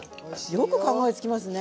よく考えつきますね。